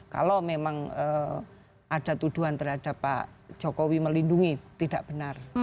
kalau memang ada tuduhan terhadap pak jokowi melindungi tidak benar